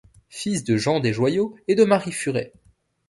Fils de Jean Desjoyeaux et de Marie Furet.